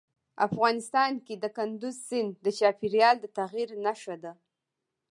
افغانستان کې کندز سیند د چاپېریال د تغیر نښه ده.